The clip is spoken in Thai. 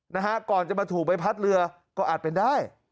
นะฮะก่อนจะมาถูกใบพัดเรือก็อาจเป็นได้